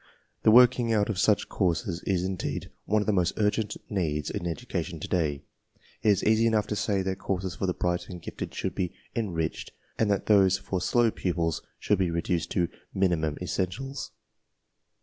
(^The work ing out of such courses is, indeed, one of the most urgent needs in education today^) It is easy enough to say that courses for the bright and gifted should be "enriched" and that those for slow pupils should be reduced to "minimum essentials."